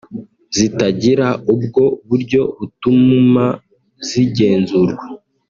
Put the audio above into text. zitagira ubwo buryo butuma zigenzurwa